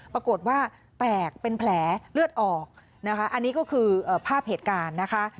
ปรากฏว่าแตกเป็นแผลเลือดออกนะคะอันนี้ก็คือภาพเหตุการณ์นะคะ